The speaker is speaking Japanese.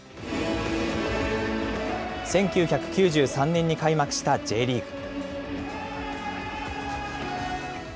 １９９３年に開幕したＪリーグ。